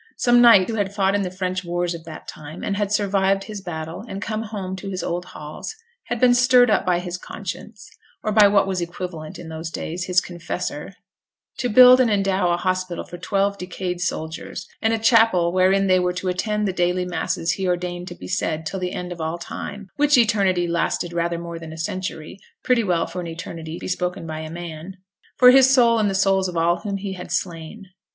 Some knight who had fought in the French wars of that time, and had survived his battles and come home to his old halls, had been stirred up by his conscience, or by what was equivalent in those days, his confessor, to build and endow a hospital for twelve decayed soldiers, and a chapel wherein they were to attend the daily masses he ordained to be said till the end of all time (which eternity lasted rather more than a century, pretty well for an eternity bespoken by a man), for his soul and the souls of those whom he had slain.